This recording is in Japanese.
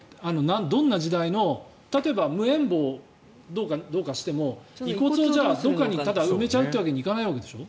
どんな時代の例えば無縁墓どうかしても遺骨をどこかに埋めちゃうというわけにはいかないわけでしょ？